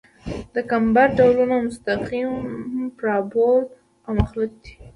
د کمبر ډولونه مستقیم، پارابول او مختلط دي